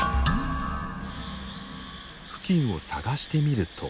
付近を探してみると。